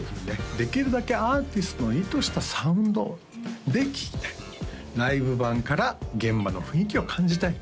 できるだけアーティストの意図したサウンドで聴きたいライブ盤から現場の雰囲気を感じたい